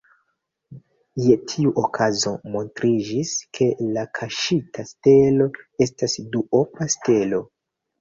Je tiu okazo, montriĝis, ke la kaŝita stelo estas duopa stelo.